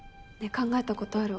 考えたことある？